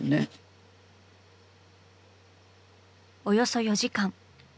およそ４時間。